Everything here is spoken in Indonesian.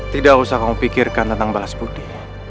tidak usah kamu pikirkan tentang balas putih